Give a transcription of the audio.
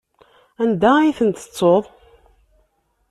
Anda ay ten-tettuḍ?